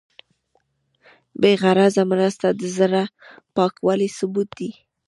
بېغرضه مرسته د زړه پاکوالي ثبوت دی.